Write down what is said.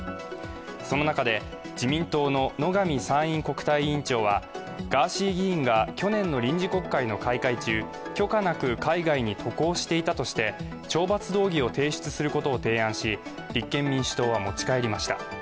その中で、自民党の野上参院国対委員長は、ガーシー議員が去年の臨時国会の開会中許可なく海外に渡航していたとして懲罰動議を提出することを提案し、立憲民主党は持ち帰りました。